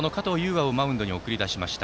羽をマウンドに送り出しました。